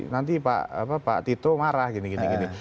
nanti pak tito marah gini gini